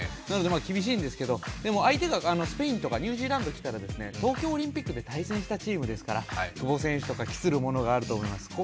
なので厳しいんですけど、相手がスペインとかニュージーランド来たら、東京オリンピックで対戦したチームですから久保選手とか期するものがあると思います。